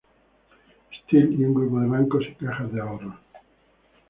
Steel y un grupo de bancos y cajas de ahorros.